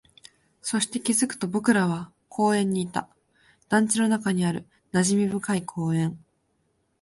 そして、気づくと僕らは公園にいた、団地の中にある馴染み深い公園